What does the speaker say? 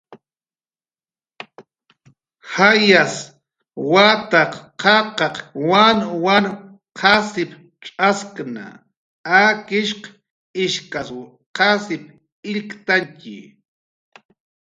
Jayas wataq qaqaq wanwanw qasipcx'askna, akishq ishkasw qasip illktantxi